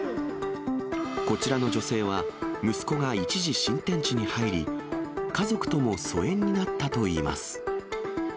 こちらの女性は、息子が一時、新天地に入り、家族とも疎遠になったといいます。